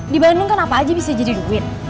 di bandung kan apa aja bisa jadi duit